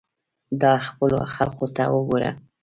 دا خپلو خلقو ته وګوره.